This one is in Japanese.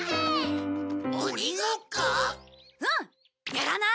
やらない？